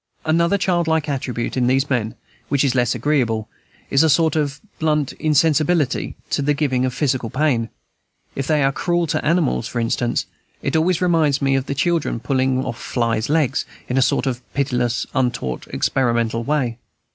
Another childlike attribute in these men, which is less agreeable, is a sort of blunt insensibility to giving physical pain. If they are cruel to animals, for instance, it always reminds me of children pulling off flies' legs, in a sort of pitiless, untaught, experimental way.